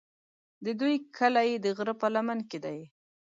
د دوی کلی د غره په لمن کې دی.